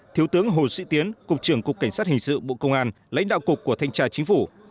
thiếu tướng hồ sĩ tiến cục trưởng cục cảnh sát hình sự bộ công an lãnh đạo cục của thanh tra chính phủ